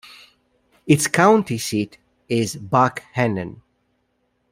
Its county seat is Buckhannon.